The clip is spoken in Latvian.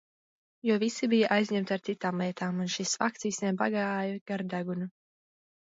Jo visi bija aizņemti ar citām lietām un šis fakts visiem pagāja gar degunu.